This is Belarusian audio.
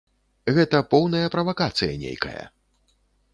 Гэта поўная правакацыя нейкая.